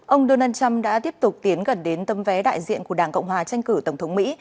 ông donald trump đã tiếp tục tiến gần đến tâm vé đại diện của đảng cộng hòa tranh cử tổng thống mỹ